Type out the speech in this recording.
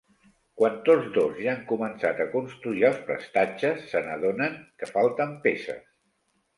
Quan tots dos ja han començat a construir els prestatges, se n'adonen que falten peces.